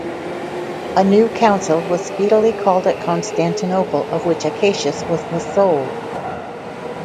A new council was speedily called at Constantinople, of which Acacius was the soul.